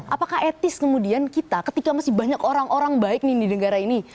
apakah etis kemudian kita ketika masih banyak orang orang baik nih di negara ini